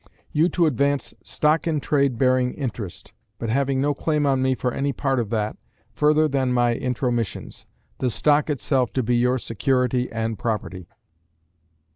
You to advance stock in trade bearing interest, but having no claim on me for any part of that, further than my intromissions; the stock itself to be your security and property.